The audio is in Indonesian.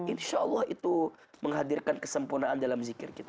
insya allah itu menghadirkan kesempurnaan dalam zikir kita